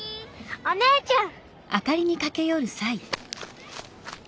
お姉ちゃん！